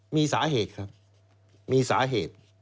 มีสาเหตุครับมีสาเหตุ